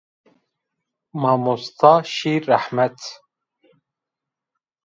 Mamosta şî rehmet